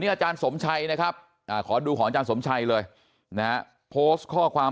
อาจารย์สมชัยนะครับขอดูของอาจารย์สมชัยเลยนะฮะโพสต์ข้อความ